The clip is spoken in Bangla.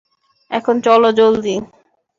এখন চলো, জলদি।